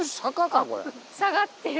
下がってる。